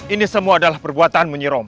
ini semua adalah perbuatan menyiram